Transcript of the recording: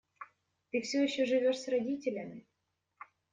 Ты все еще живешь с родителями?